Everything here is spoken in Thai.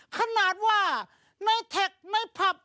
ขนาดว่าในแท็กในผับ